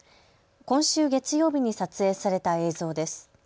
今週月曜日に撮影された映像です。